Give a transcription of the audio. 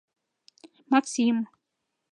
— Максим...